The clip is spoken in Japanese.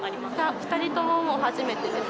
２人とももう初めてです。